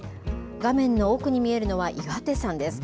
画面の奥に見えるのは岩手山です。